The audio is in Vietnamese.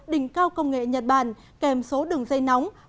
đỉnh cao công nghệ nhật bản kèm số đường dây nóng một tám không không một không ba năm